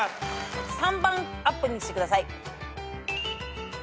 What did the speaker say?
３番アップにしてください。